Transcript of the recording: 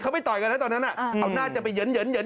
เขาไปต่อยกันนะตอนนั้นเขาน่าจะไปเหิน